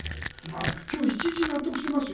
今日一番納得してますよ。